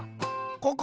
ここ！